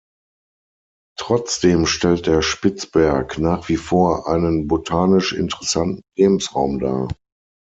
Trotzdem stellt der Spitzberg nach wie vor einen botanisch interessanten Lebensraum dar.